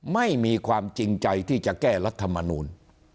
ไม่มีความจริงใจที่จะแก้รัฐมนูล